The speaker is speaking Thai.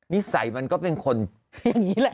นิสัยมันก็เป็นคนอย่างนี้แหละ